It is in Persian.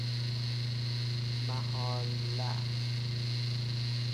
محال له